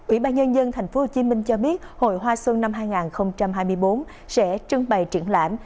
ủy ban nhân dân tp hcm cho biết hội hoa xuân năm hai nghìn hai mươi bốn sẽ trưng bày triển lãm